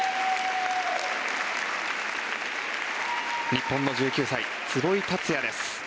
日本の１９歳、壷井達也です。